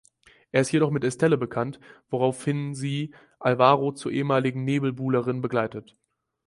Er ist jedoch mit Estelle bekannt, woraufhin sie Alvaro zur ehemaligen Nebenbuhlerin begleitet.